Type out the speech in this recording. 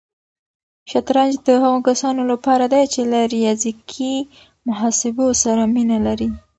شطرنج د هغو کسانو لپاره دی چې له ریاضیکي محاسبو سره مینه لري.